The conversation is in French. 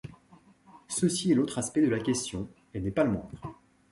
Ceci est l’autre aspect de la question, et n’est pas le moindre.